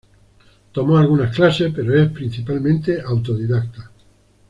Tomó algunas clases, pero es principalmente autodidacta.